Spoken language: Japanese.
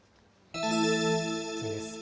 次です。